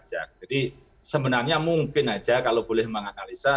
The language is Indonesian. jadi sebenarnya mungkin saja kalau boleh menganalisa